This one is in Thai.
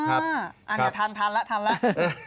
อันนี้ทันแล้วทันแล้ว